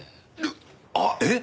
あっえっ！？